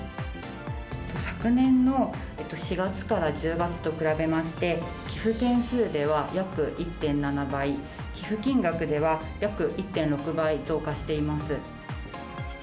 昨年の４月から１０月と比べまして、寄付件数では約１．７倍、寄付金額では約１．６倍増加しています。